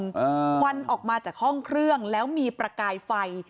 ควันออกมาจากห้องเครื่องแล้วมีประกายไฟ